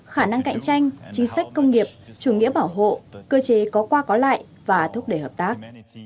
khả năng cạnh tranh chính sách công nghiệp chủ nghĩa bảo hộ cơ chế có qua có lại và thúc đẩy hợp tác